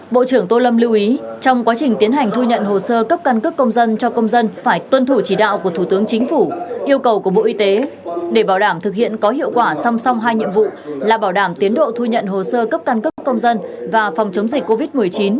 bộ trưởng tô lâm lưu ý trong quá trình tiến hành thu nhận hồ sơ cấp căn cấp công dân cho công dân phải tuân thủ chỉ đạo của thủ tướng chính phủ yêu cầu của bộ y tế để bảo đảm thực hiện có hiệu quả song song hai nhiệm vụ là bảo đảm tiến độ thu nhận hồ sơ cấp căn cấp công dân và phòng chống dịch covid một mươi chín